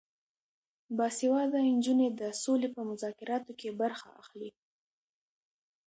باسواده نجونې د سولې په مذاکراتو کې برخه اخلي.